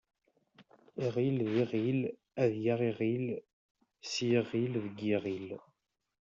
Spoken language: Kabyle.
Iɣil d iɣil ad yaɣ iɣil s yiɣil deg yiɣil.